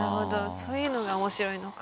そういうのが面白いのか。